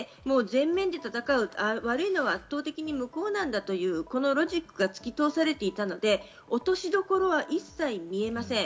前面で戦う、悪いのは圧倒的に向こうなんだというロジックが突き通されていたので、落としどころは一切見えません。